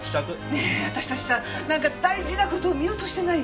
ねえ私たちさなんか大事な事を見落としてない？